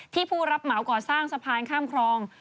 ผู้รับเหมาก่อสร้างสะพานข้ามคลอง